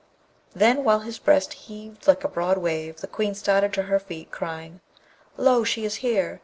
Then while his breast heaved like a broad wave, the Queen started to her feet, crying, 'Lo, she is here!